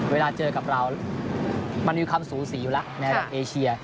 เวลาเจอกับเรามันมีคำสูสีอยู่ละในเอเชีย